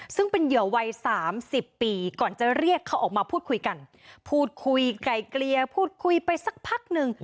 ซึ่งเป็นเหยื่อวัยสามสิบปีก่อนจะเรียกเขาออกมาพูดคุยกันพูดคุยไก่เกลียพูดคุยไปสักพักหนึ่ง